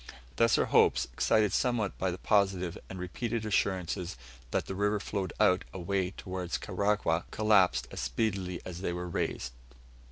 Thus our hopes, excited somewhat by the positive and repeated assurances that the river flowed out away towards Karagwah, collapsed as speedily as they were raised.